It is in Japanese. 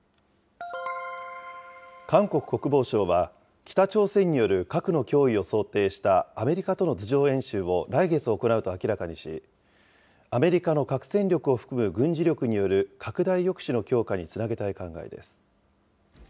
韓国国防省は、北朝鮮による核の脅威を想定したアメリカとの図上演習を来月行うと明らかにし、アメリカの核戦力を含む軍事力による拡大抑止の強化につなげたい考えです。